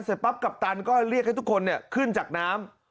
ปั๊บกัปตันก็เรียกให้ทุกคนขึ้นจากน้ำ